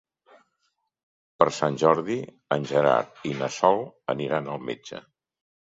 Per Sant Jordi en Gerard i na Sol aniran al metge.